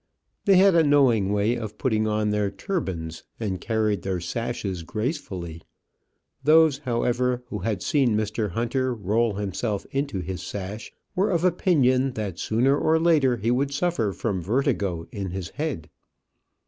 They had a knowing way of putting on their turbans, and carried their sashes gracefully; those, however, who had seen Mr. Hunter roll himself into his sash, were of opinion that sooner or later he would suffer from vertigo in his head.